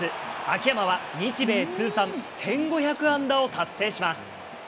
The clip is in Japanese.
秋山は日米通算１５００安打を達成します。